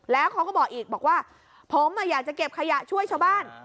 แล้วเขาก็บอกอีกบอกว่าผมอยากจะเก็บขยะช่วยชาวบ้าน